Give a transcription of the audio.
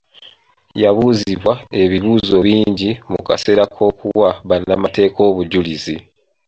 Yabuuzibwa ebibuuzo bingi mu kaseera k'okuwa bannamateeka obujulizi.